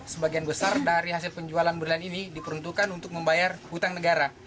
sebagian besar dari hasil penjualan bulan ini diperuntukkan untuk membayar hutang negara